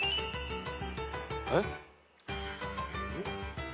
えっ？